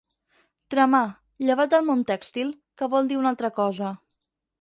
Tramar, llevat del món tèxtil, que vol dir una altra cosa.